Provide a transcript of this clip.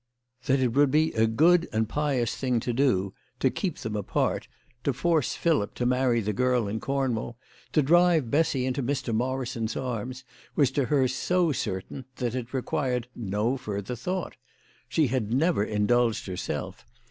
That it would be a good and pious thing to do, to keep them apart, to force Philip THE LADY OF LAUNAY. 137 to marry the girl in Cornwall, to drive Bessy into Mr. Morrison's arms, was to her so certain that it required no further thought. She had never indulged herself.